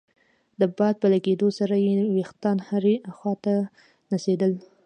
د باد په لګېدو سره يې ويښتان هرې خوا ته نڅېدل.